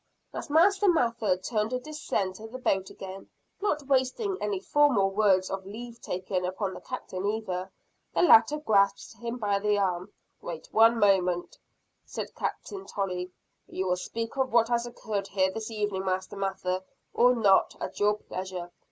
As Master Mather turned to descend to the boat again not wasting any formal words of leave taking upon the Captain either the latter grasped him by the arm. "Wait one moment," said Captain Tolley. "You will speak of what has occurred here this evening Master Mather, or not, at your pleasure.